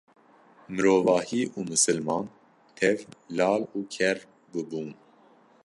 mirovahî û misliman tev lal û ker bibûn